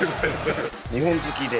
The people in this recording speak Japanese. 日本好きで。